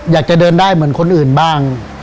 อยากจะเดินได้เหมือนคนอื่นบ้าง